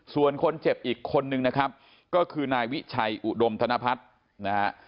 ส่วนคนเจ็บอีกคนนึงก็คือนายวิชัยอุดมธนพัฒน์